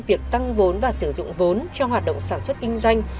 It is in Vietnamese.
việc tăng vốn và sử dụng vốn cho hoạt động sản xuất kinh doanh